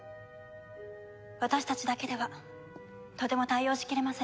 私たちだけではとても対応しきれません。